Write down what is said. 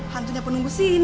hantu nya pun nunggu sini